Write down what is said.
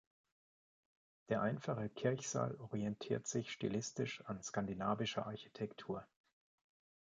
Der einfache Kirchsaal orientiert sich stilistisch an skandinavischer Architektur.